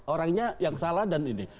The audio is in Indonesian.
orangnya yang salah dan ini